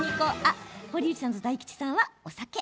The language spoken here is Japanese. あっ堀内さんと大吉さんはお酒。